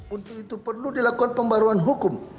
untuk itu perlu dilakukan pembaruan hukum